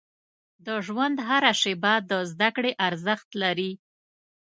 • د ژوند هره شیبه د زده کړې ارزښت لري.